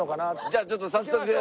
じゃあちょっと早速。